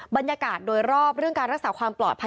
บรรยากาศโดยรอบเรื่องการรักษาความปลอดภัย